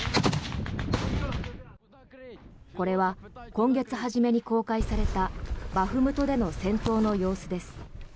これは今月初めに公開されたバフムトでの戦闘の様子です。